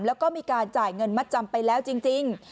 แล้วก็มีการจ่ายเงินมัดจำไปแล้วจริง